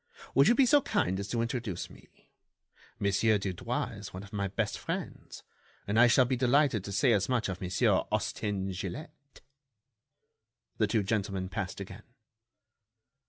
Will you be so kind as to introduce me? Monsieur Dudouis is one of my best friends, and I shall be delighted to say as much of Monsieur Austin Gilett." The two gentlemen passed again.